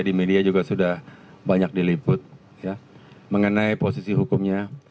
di media juga sudah banyak diliput mengenai posisi hukumnya